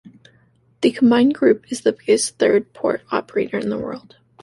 The combined group is the biggest third port operator in the world.